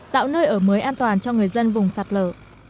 tạo nơi ở mới an toàn cho người dân vùng sạt lở